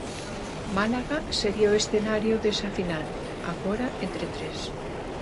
Málaga sería o escenario desa final, agora entre tres.